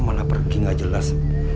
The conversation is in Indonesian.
malah pergi gak jelas